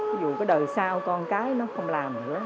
ví dụ cái đời sau con cái nó không làm nữa